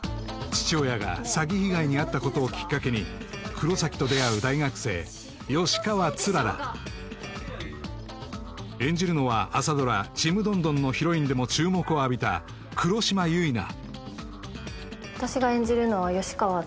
父親が詐欺被害に遭ったことをきっかけに黒崎と出会う大学生吉川氷柱演じるのは朝ドラ「ちむどんどん」のヒロインでも注目を浴びた黒島結菜